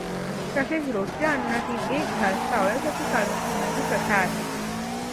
तसेच रोजच्या अन्नातील एक घास कावळ्यासाठी काढून ठेवण्याची प्रथा आहे.